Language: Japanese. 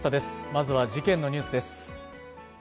まずは事件のニュースです。